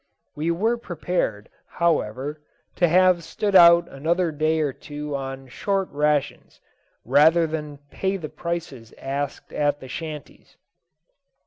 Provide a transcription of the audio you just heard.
We were prepared, however, to have stood out another day or two on short rations, rather than pay the prices asked at the shanties.